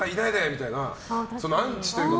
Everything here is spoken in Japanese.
みたいな、アンチというか。